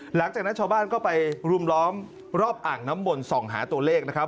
หลังจากนั้นชาวบ้านก็ไปรุมล้อมรอบอ่างน้ำมนต์ส่องหาตัวเลขนะครับ